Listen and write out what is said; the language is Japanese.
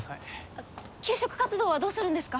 あっ求職活動はどうするんですか？